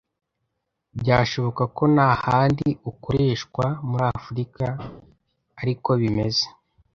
byashoboka ko n'ahandi ukoreshwa muri Africa ari ko bimeze.